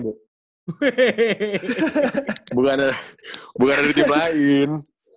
bukan ada tim lain